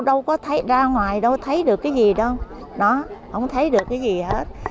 đâu có thấy ra ngoài đâu thấy được cái gì đâu đó ông thấy được cái gì hết